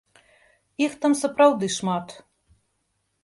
Іх там сапраўды шмат.